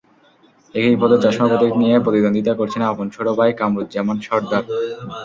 একই পদে চশমা প্রতীক নিয়ে প্রতিদ্বন্দ্বিতা করছেন আপন ছোট ভাই কামরুজ্জামান সরদার।